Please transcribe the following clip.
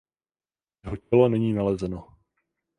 Jeho tělo není nalezeno.